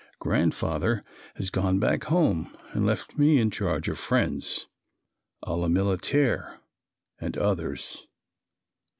Grandfather has gone back home and left me in charge of friends "a la militaire" and others.